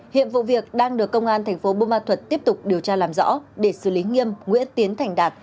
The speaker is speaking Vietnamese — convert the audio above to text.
hiệp vụ việc đang được công an tp bumathut tiếp tục điều tra làm rõ để xử lý nghiêm nguyễn tiến thành đạt